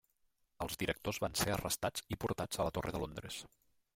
Els directors van ser arrestats i portats a la Torre de Londres.